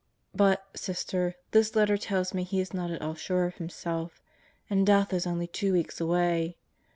But, Sister, this letter tells me he is not at all sure of himself and death is only two weeks away.